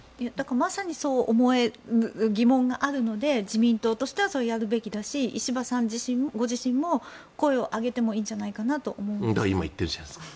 まさにそう思える疑問があるので自民党としてはやるべきだし石破さんご自身も声を上げてもいいんじゃないかと思うんですが。